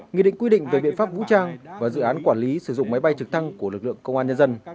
nghị định quy định về biện pháp vũ trang và dự án quản lý sử dụng máy bay trực thăng của lực lượng công an nhân dân